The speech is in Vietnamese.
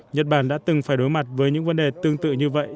nhật bản đã từng phải đối mặt với những vấn đề tương tự như vậy